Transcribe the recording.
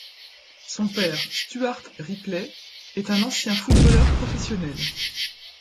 Son père, Stuart Ripley, est un ancien footballeur professionnel.